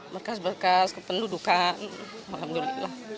berkas berkas kependudukan alhamdulillah